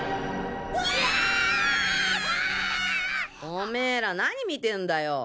オメーら何見てんだよ。